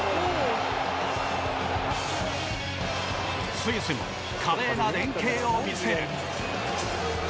スイスも華麗な連係を見せる。